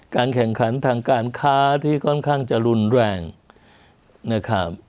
แข่งขันทางการค้าที่ค่อนข้างจะรุนแรงนะครับ